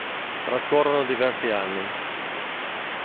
Trascorrono diversi anni.